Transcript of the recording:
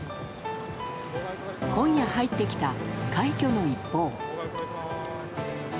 今夜入ってきた快挙の一報。